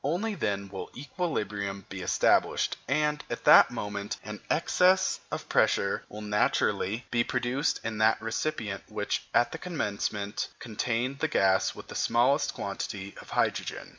Only then will equilibrium be established; and, at that moment, an excess of pressure will naturally be produced in that recipient which, at the commencement, contained the gas with the smallest quantity of hydrogen.